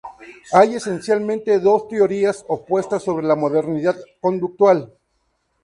Hay esencialmente dos teorías opuestas sobre la modernidad conductual.